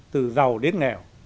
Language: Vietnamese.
từ giàu đến nghèo